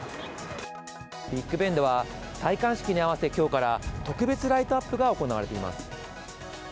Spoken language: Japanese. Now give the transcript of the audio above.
ビッグベンでは、戴冠式に合わせ、きょうから特別ライトアップが行われています。